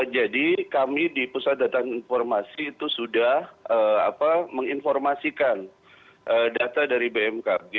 jadi kami di pusat datang informasi itu sudah menginformasikan data dari bmkg